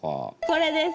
これです。